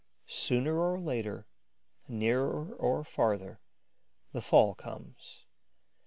Sooner or later, nearer or farther, the fall comes.